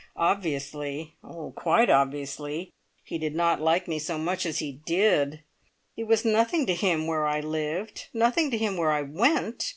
Obviously, oh, quite obviously, he did not like me so much as he did! It was nothing to him where I lived nothing to him where I went!